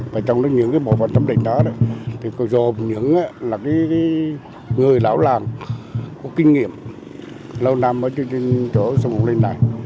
và trong những cái bộ phần thẩm định đó thì có dồn những là cái người lão làm có kinh nghiệm lâu năm ở trên chỗ sâm ngọc linh này